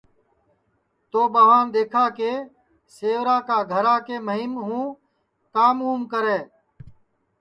تو ٻوان دؔیکھا کہ سیورا کا گھرا کے مہم ہوں کام اُم کرے